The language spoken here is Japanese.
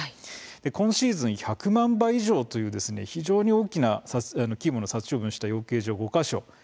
今シーズン１００万羽以上という規模の大きい殺処分をした養鶏場は５か所。